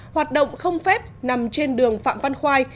hoạt động không phép nằm trên đường phạm văn khoai